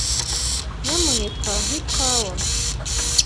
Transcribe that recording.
Nyamuneka mpa ikawa.